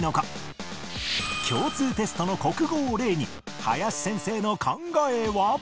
共通テストの国語を例に林先生の考えは？